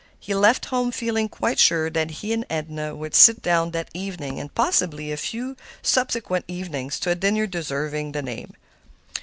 He left home feeling quite sure that he and Edna would sit down that evening, and possibly a few subsequent evenings, to a dinner deserving of the name.